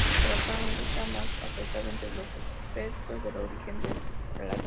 Pero actualmente está más aceptado entre los expertos el origen del latín.